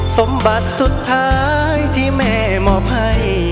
สมบัติสุดท้ายที่แม่มอบให้